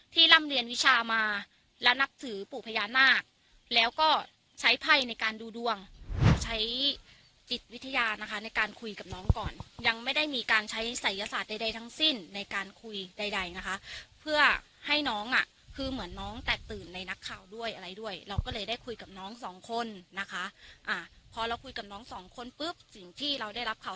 ร่ำเรียนวิชามาและนับถือปู่พญานาคแล้วก็ใช้ไพ่ในการดูดวงใช้จิตวิทยานะคะในการคุยกับน้องก่อนยังไม่ได้มีการใช้ศัยศาสตร์ใดทั้งสิ้นในการคุยใดใดนะคะเพื่อให้น้องอ่ะคือเหมือนน้องแตกตื่นในนักข่าวด้วยอะไรด้วยเราก็เลยได้คุยกับน้องสองคนนะคะอ่าพอเราคุยกับน้องสองคนปุ๊บสิ่งที่เราได้รับข่าว